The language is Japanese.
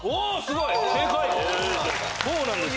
・そうなんです